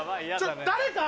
誰か！